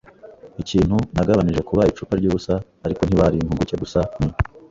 ikintu, nagabanije kuba icupa ryubusa. Ariko ntibari impuguke gusa; ni